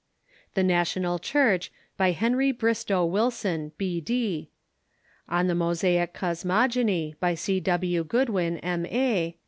; "The National Cliurch," by Henry Bristow Wilson, B.D. ;" On the Mosaic Cosmogony," by C. W. Goodwin, M.A.